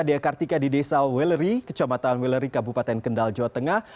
dea kartika di desa weleri kecamatan weleri kabupaten kendal jawa tengah